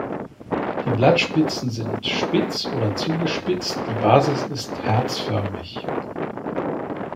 Die Blattspitzen sind spitz oder zugespitzt, die Basis ist herzförmig.